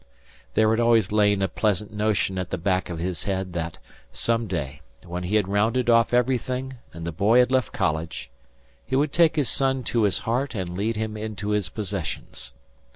There had always lain a pleasant notion at the back of his head that, some day, when he had rounded off everything and the boy had left college, he would take his son to his heart and lead him into his possessions.